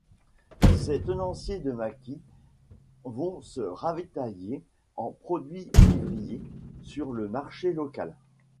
Ces tenanciers de maquis vont se ravitailler en produits vivriers sur le marché local.